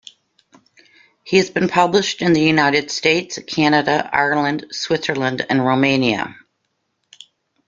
He has been published in the United States, Canada, Ireland, Switzerland and Romania.